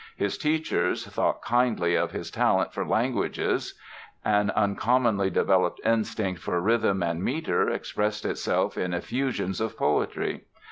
His teachers thought kindly of his talent for languages. An uncommonly developed instinct for rhythm and meter expressed itself in effusions of poetry.